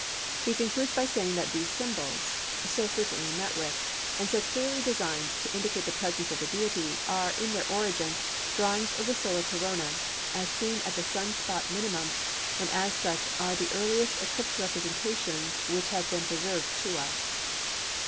He concludes by saying that these symbols, so frequently met with, and so clearly designed to indicate the presence of the Deity, "are, in their origin, drawings of the solar Corona, as seen at the Sun spot minimum, and as such are the earliest eclipse representations which have been preserved to us."